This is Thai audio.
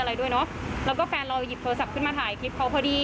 แล้วก็แฟนเรายิบโทรศัพท์ขึ้นมาถ่ายคลิปเขาพอดี